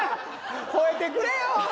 ほえてくれよ！